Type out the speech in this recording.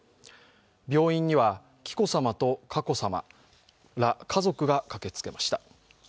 病院には紀子さまと佳子さまら家族が駆けつけました。